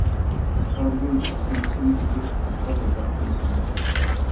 ئىپارگۈل سومكىسىنى كۆتۈرۈپ ئاستا ياتاقتىن چىقىدۇ.